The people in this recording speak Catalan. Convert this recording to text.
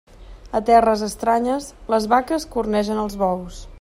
A terres estranyes, les vaques cornegen els bous.